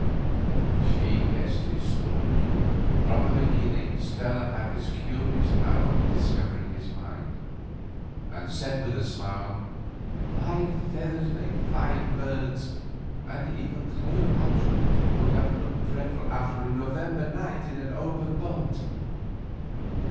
She guessed his thought—from the beginning Stella had this curious power of discovering his mind—and said with a smile: "Fine feathers make fine birds, and even Cleopatra would have looked dreadful after a November night in an open boat."